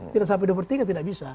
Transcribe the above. tidak sampai dua per tiga tidak bisa